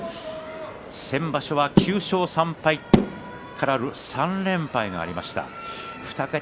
２場所は９勝３敗からの３連敗がありました。